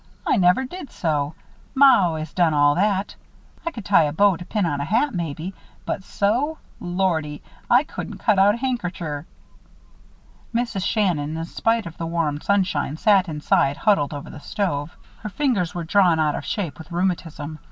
"I never did sew. Ma always done all that. I could tie a bow to pin on a hat, maybe, but sew lordy, I couldn't cut out a handkercher!" Mrs. Shannon, in spite of the warm sunshine, sat inside, huddled over the stove. Her fingers were drawn out of shape with rheumatism.